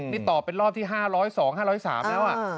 นี่ตอบเป็นรอบที่๕๐๒๕๐๓แล้ว